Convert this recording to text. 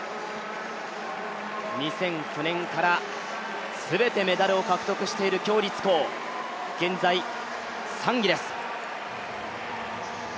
２００９年から全てメダルを獲得している鞏立コウ、現在３位です。